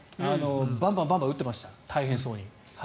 バンバン打ってました大変そうに。